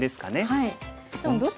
はい。